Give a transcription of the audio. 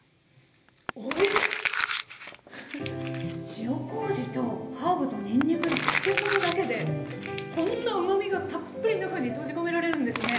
塩こうじとハーブとにんにくに漬け込むだけでこんなうまみがたっぷり中に閉じ込められるんですね。